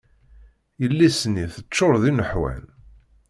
Yelli-s-nni teččur d ineḥwan.